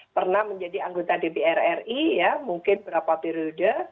pernah menjadi anggota dpr ri ya mungkin beberapa periode